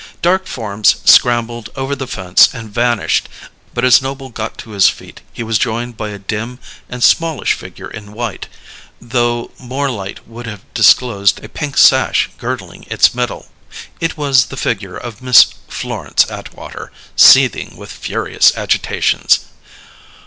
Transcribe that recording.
Dark forms scrambled over the fence and vanished, but as Noble got to his feet he was joined by a dim and smallish figure in white though more light would have disclosed a pink sash girdling its middle. It was the figure of Miss Florence Atwater, seething with furious agitations.